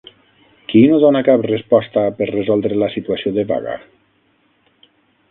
Qui no dona cap resposta per resoldre la situació de vaga?